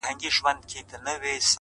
• چي د سپي سترګي سوې خلاصي په غپا سو ,